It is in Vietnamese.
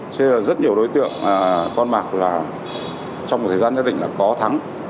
cho nên là rất nhiều đối tượng con bạc trong thời gian gia đình là có thắng